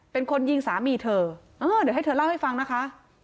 เป็นคนยิงสามีเธอเดี๋ยวให้เธอเล่าให้ฟังนะคะ